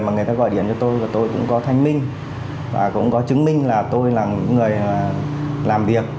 mà người ta gọi điện cho tôi và tôi cũng có thanh minh và cũng có chứng minh là tôi là những người làm việc